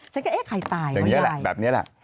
ใช่ครับ